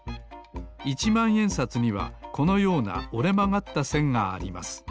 いちまんえんさつにはこのようなおれまがったせんがあります